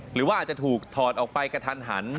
หรือว่าอาจจะถูกถอดออกไปกระทันหัน